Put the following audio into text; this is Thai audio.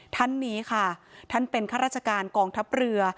ท่านนี้ค่ะท่านเป็นข้าราชการกองทัพเรือ